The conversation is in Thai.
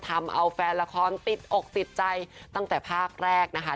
ทำเอาแฟนละครติดอกติดใจตั้งแต่ภาคแรกนะคะ